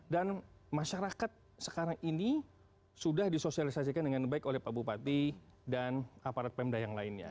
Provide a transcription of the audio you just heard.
dan masyarakat sekarang ini sudah disosialisasikan dengan baik oleh pak bupati dan aparat pemda yang lainnya